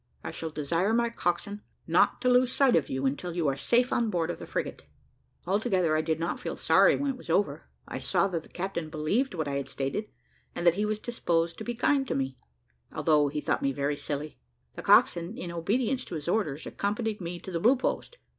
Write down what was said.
I shall desire my coxswain not to lose sight of you until you are safe on board of the frigate." Altogether I did not feel sorry when it was over. I saw that the captain believed what I had stated, and that he was disposed to be kind to me, although he thought me very silly. The coxswain, in obedience to his orders, accompanied me to the Blue Post.